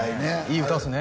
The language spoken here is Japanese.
いい歌っすね